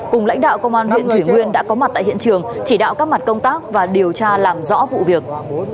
cùng lãnh đạo công an huyện thủy nguyên đã có mặt tại hiện trường chỉ đạo các mặt công tác và điều tra làm rõ vụ việc